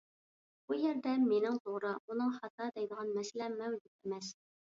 بۇ يەردە مېنىڭ توغرا، ئۇنىڭ خاتا دەيدىغان مەسىلە مەۋجۇت ئەمەس.